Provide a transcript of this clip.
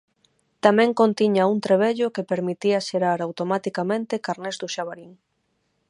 Tamén contiña un trebello que permitía xerar automaticamente carnés do Xabarín.